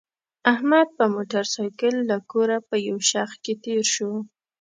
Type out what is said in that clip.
احمد په موټرسایکل له کوره په یو شخ کې تېر شو.